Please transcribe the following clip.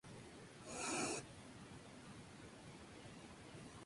En septiembre y octubre, continuo su feudo con Cameron, ganando todos los combates.